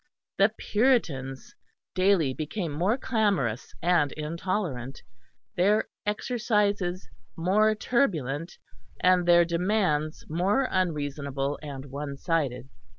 The Puritans daily became more clamorous and intolerant; their "Exercises" more turbulent, and their demands more unreasonable and one sided.